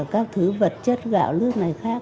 các thứ vật chất gạo nước này khác